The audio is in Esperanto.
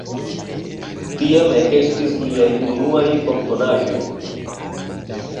Tiam ekestis liaj unuaj komponaĵoj.